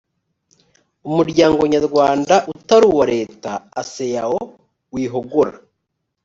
umuryango nyarwanda utari uwa leta aseao wihogora